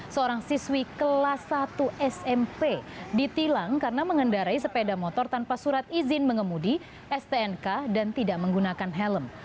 seorang siswi kelas satu smp ditilang karena mengendarai sepeda motor tanpa surat izin mengemudi stnk dan tidak menggunakan helm